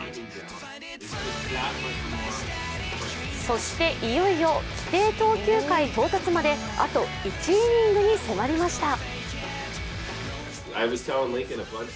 そしていよいよ規定投球回到達まで、あと１イニングに迫りました。